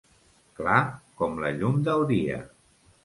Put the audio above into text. Clar com la llum del dia.